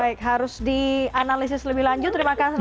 baik harus dianalisis lebih lanjut